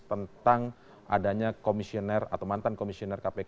tentang adanya komisioner atau mantan komisioner kpk